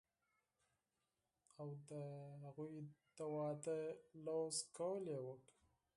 او د هغوي د وادۀ لوظ قول يې وکړۀ